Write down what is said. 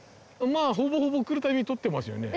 まあほぼほぼ来るたびに撮ってますよね